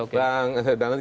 kita tahan dulu ya